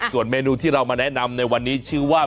ส่วนเมนูที่เรามาแนะนำในวันนี้ชื่อว่า